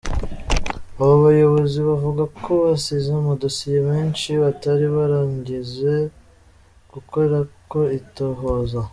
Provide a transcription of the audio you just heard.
Abo bayobozi bavuga ko basize ama dosiye menshi batari bwarangize gukorako itohoza.